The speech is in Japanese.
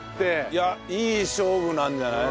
いやいい勝負なんじゃない？